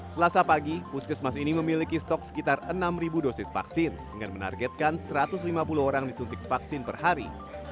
selasa pagi puskesmas ini memiliki stok sekitar enam dosis vaksin dengan menargetkan satu ratus lima puluh orang disuntik vaksin per hari